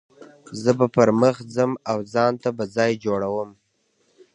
زه به پر مخ ځم او ځان ته به ځای جوړوم.